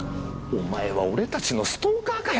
お前は俺たちのストーカーかよ！？